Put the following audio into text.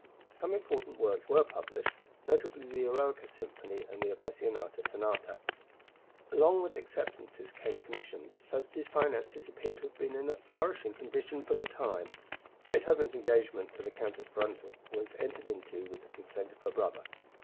Some important works were published, notably the Eroica Symphony and the Appassionata Sonata. Along with acceptances came commissions, so that his finances appear to have been in a flourishing condition for the time. Beethoven's engagement to the Countess Brunswick was entered into with the consent of her brother.